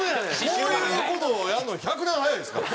こういう事をやるのは１００年早いですから。